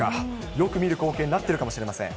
よく見る光景になっているかもしれません。